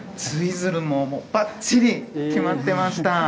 ツイズルもばっちり決まってました。